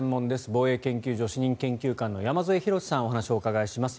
防衛研究所主任研究官の山添博史さんにお話をお伺いします。